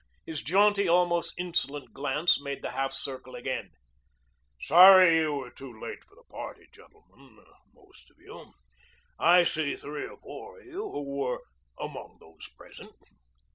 His jaunty, almost insolent glance made the half circle again. "Sorry you were too late for the party, gentlemen, most of you. I see three or four of you who were 'among those present.'